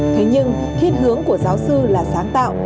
thế nhưng thiên hướng của giáo sư là sáng tạo